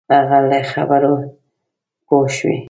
هغه له خبرو پوه شوی.